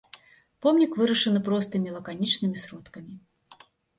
Помнік вырашаны простымі лаканічнымі сродкамі.